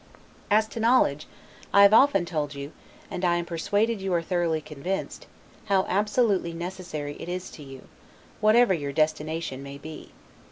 As to knowledge, I have often told you, and I am persuaded you are thoroughly convinced, how absolutely necessary it is to you, whatever your destination may be.